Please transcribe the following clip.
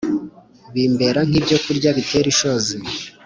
bimbera nk’ibyokurya bitera ishozi